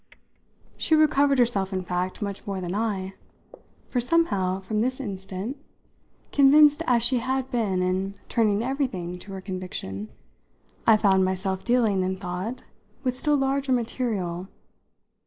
She had recovered herself in fact much more than I; for somehow, from this instant, convinced as she had been and turning everything to her conviction, I found myself dealing, in thought, with still larger material.